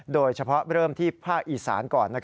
โดยเฉพาะเริ่มที่ภาคอีสานก่อน